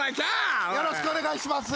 よろしくお願いします。